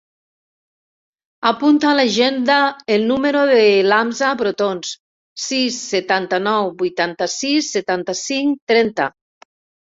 Apunta a l'agenda el número de l'Hamza Brotons: sis, setanta-nou, vuitanta-sis, setanta-cinc, trenta.